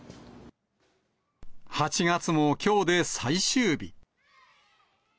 ８月もきょうで最終日。